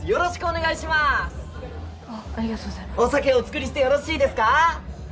お酒お作りしてよろしいですか？